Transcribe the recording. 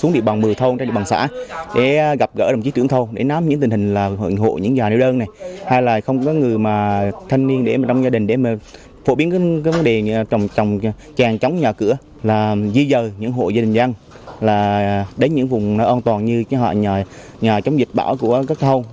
di dời những hộ gia đình dân đến những vùng an toàn như nhà chống dịch bão của các thông